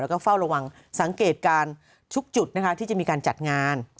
แล้วก็เฝ้าระวังสังเกตการณ์ทุกจุดนะคะที่จะมีการจัดงาน